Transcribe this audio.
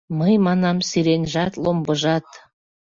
Мый манам: сиреньжат, ломбыжат